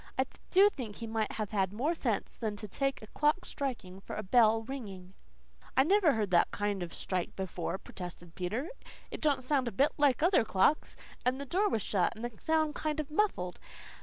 "I do think he might have had more sense than to take a clock striking for a bell ringing." "I never heard that kind of a strike before," protested Peter. "It don't sound a bit like other clocks. And the door was shut and the sound kind o' muffled.